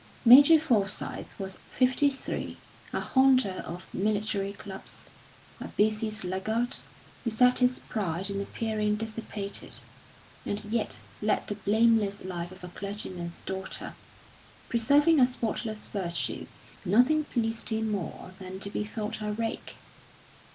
Major Forsyth was fifty three, a haunter of military clubs, a busy sluggard, who set his pride in appearing dissipated, and yet led the blameless life of a clergyman's daughter; preserving a spotless virtue, nothing pleased him more than to be thought a rake.